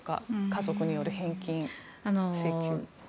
家族による返金請求。